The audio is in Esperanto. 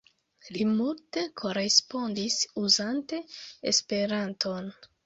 Li multe korespondis uzante Esperanton.